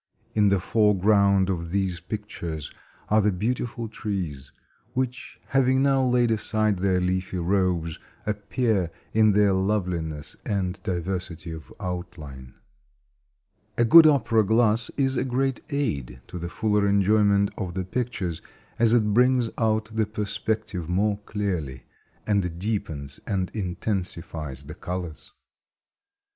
In the foreground of these pictures are the beautiful trees, which, having now laid aside their leafy robes, appear in their loveliness and diversity of outline. A good opera glass is a great aid to the fuller enjoyment of the pictures, as it brings out the perspective more clearly, and deepens and intensifies the colors.